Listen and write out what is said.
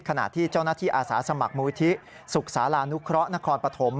ขณะที่เจ้าหน้าที่อาสาสมัครมูลที่สุขศาลานุเคราะห์นครปฐม